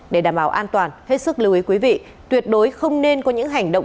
để đảm bảo an toàn hết sức lưu ý quý vị tuyệt đối không nên có những hành động